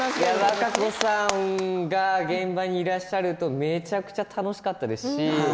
和歌子さんが現場にいらっしゃるとめちゃくちゃ楽しかったですし